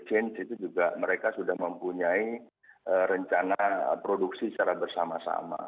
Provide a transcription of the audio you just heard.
di sisi dari sisi pengusaha kabarnya ini juga mereka sudah mempunyai rencana produksi secara bersama sama